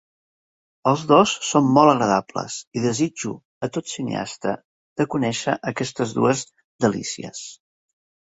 Els dos són molt agradables, i desitjo a tot cineasta de conèixer aquestes dues delícies.